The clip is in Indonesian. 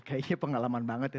kayaknya pengalaman banget ya